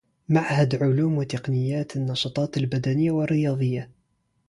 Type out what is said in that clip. معهد علوم وتقنيات النشاطات البدنية و الرياضية